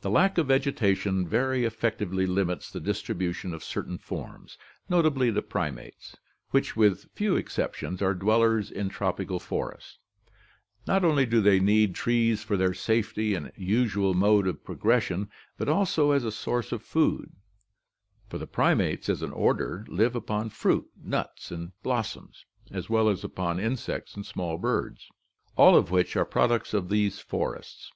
The lack of vegetation very effectively limits the distribution of certain forms, notably the primates, which with few exceptions are dwellers in tropical forests. Not only do they need trees for their safety and usual mode of progression, but also as a source of food, for the primates as an order live upon fruit, nuts, and blos soms, as well as upon insects and small birds, all of which are prod ucts of these forests.